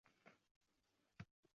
Hech nima qilmaydi, yiqilib tushdim.